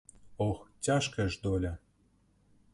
Ох, цяжкая ж доля!